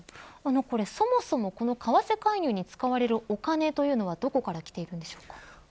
そもそも為替介入に使われるお金というのはどこからきているんでしょうか。